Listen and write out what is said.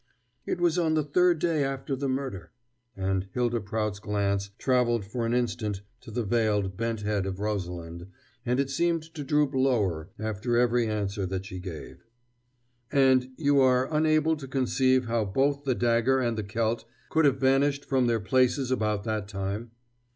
"It was on the third day after the murder" and Hylda Prout's glance traveled for an instant to the veiled, bent head of Rosalind, as it seemed to droop lower after every answer that she gave. "And you are unable to conceive how both the dagger and the celt could have vanished from their places about that time?"